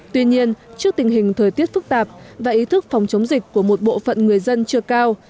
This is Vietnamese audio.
tuy nhiên trước tình hình thời tiết phức tạp và ý thức phòng chống dịch của một bộ phận người dân chưa cao